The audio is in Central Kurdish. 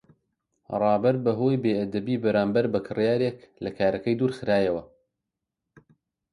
ڕابەر بەهۆی بێئەدەبی بەرامبەر بە کڕیارێک لە کارەکەی دوورخرایەوە.